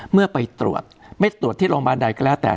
เมื่อไปตรวจไม่ตรวจที่โรงพยาบาลใดก็แล้วแต่